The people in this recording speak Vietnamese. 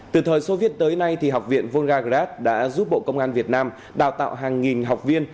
từ thời soviet tới nay học viện volga grab đã giúp bộ công an việt nam đào tạo hàng nghìn học viên